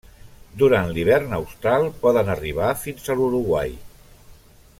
Durant l'hivern austral poden arribar fins a l'Uruguai.